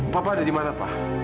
papa ada di mana pak